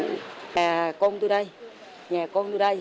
nhà con tôi đây nhà con tôi đây